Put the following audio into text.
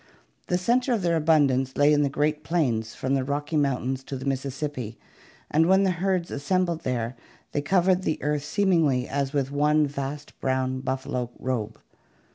The center of their abundance lay in the great plains from the Rocky Moun tains to the Mississippi, and when the herds assembled there they covered the earth seemingly as with one vast brown buffalo robe.